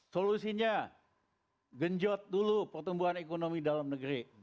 solusinya genjot dulu pertumbuhan ekonomi dalam negeri